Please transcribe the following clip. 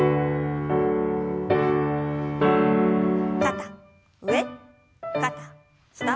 肩上肩下。